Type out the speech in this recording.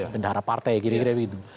bendahara partai kira kira begitu